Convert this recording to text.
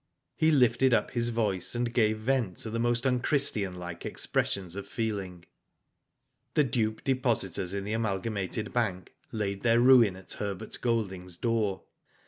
He lifted up his voice and gave vent to most unchristianlike expressions of feeling. The duped depositors in the Amalgamated bank laid their ruin at Herbert Golding's door.